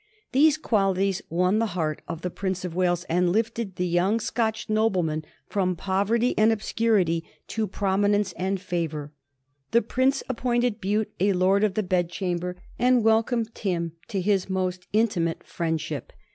These qualities won the heart of the Prince of Wales, and lifted the young Scotch nobleman from poverty and obscurity to prominence and favor. The Prince appointed Bute a Lord of the Bedchamber and welcomed him to his most intimate friendship.